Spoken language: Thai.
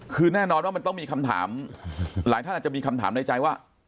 คือแน่นอนว่ามันต้องมีคำถามหลายท่านอาจจะมีคำถามในใจว่า